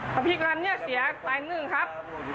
ถ้าพี่กลำเนี่ยเสียใต้หนึ่งครับ